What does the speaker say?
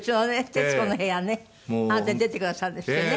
「徹子の部屋」ねあなた出てくださるんですってね。